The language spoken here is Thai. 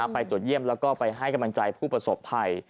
ไปตรวจเยี่ยมแล้วก็ไปให้กำลังใจผู้ประสบภัย